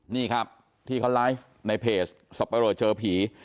นี่ครับที่เขาไลฟ์ในเพจสับปะเลอเจอผี